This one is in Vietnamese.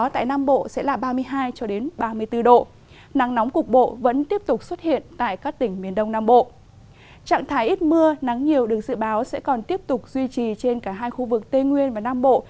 trạng thái ít mưa nắng nhiều được dự báo sẽ còn tiếp tục duy trì trên cả hai khu vực tây nguyên và nam bộ